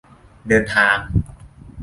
เดินทาง !